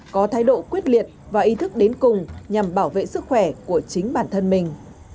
có thái độ quyết liệt và ý thức đến cùng nhằm bảo vệ sức khỏe của chính bản thân mình